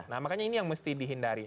nah makanya ini yang mesti dihindari